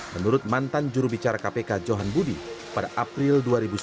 menurut mantan jurubicara kpk johan budi pada april dua ribu sembilan belas